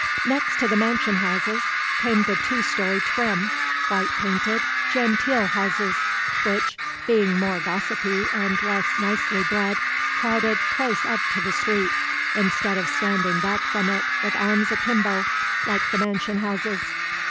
Next to the mansion houses, came the two story trim, white painted, "genteel" houses, which, being more gossipy and less nicely bred, crowded close up to the street, instead of standing back from it with arms akimbo, like the mansion houses.